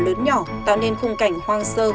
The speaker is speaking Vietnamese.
lớn nhỏ tạo nên khung cảnh hoang sơ